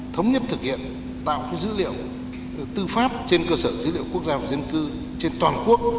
thống nhất thực hiện tạo dữ liệu tư pháp trên cơ sở dữ liệu quốc gia và dân cư trên toàn quốc